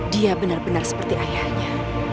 dia benar benar seperti ayahnya